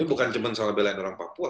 ini bukan cuma soal belai orang papua